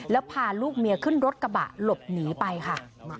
แล้วพาลูกเมียขึ้นรถกระบะหลบหนีไปค่ะ